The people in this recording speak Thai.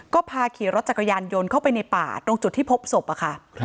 ก็พาขี่รถจักรยานยนต์เข้าไปในป่าตรงจุดที่พบศพอะค่ะ